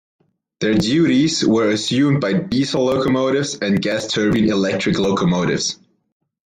Their duties were assumed by diesel locomotives and gas turbine-electric locomotives.